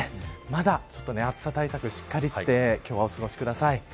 まだ暑さ対策しっかりしてお過ごしください。